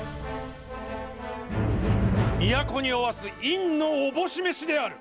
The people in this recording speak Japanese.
都におわす院のおぼし召しである。